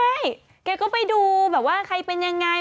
ใช่แกก็ไปดูแบบว่าใครเป็นยังไง